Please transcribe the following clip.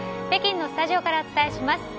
北京のスタジオからお伝えします。